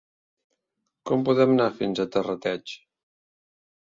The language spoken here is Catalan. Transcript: Com podem anar fins a Terrateig?